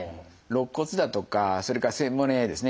肋骨だとかそれから背骨ですね。